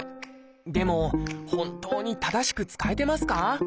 でも本当に正しく使えてますか？